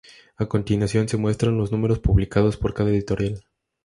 A continuación se muestran los números publicados por cada editorial.